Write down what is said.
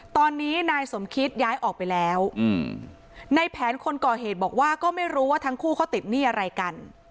ตอนนี้นายสมคิตย้ายออกไปแล้วในแผนคนก่อเหตุบอกว่าก็ไม่รู้ว่าทั้งคู่เขาติดหนี้อะไรกัน